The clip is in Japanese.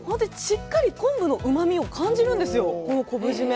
しっかり昆布のうまみを感じるんですよ、昆布締め。